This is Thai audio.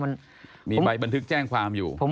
มันมีใบบันทึกแจ้งความอยู่